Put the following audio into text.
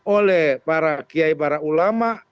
oleh para kiai para ulama